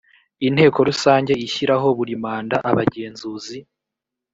inteko rusange ishyiraho buri manda abagenzuzi